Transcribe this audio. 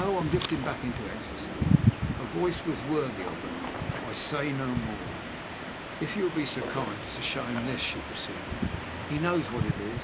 I am drifting back into ecstasies: her voice was worthy of her I say no more. "If you will be so kind as to show him this," she proceeded; "he knows what it is.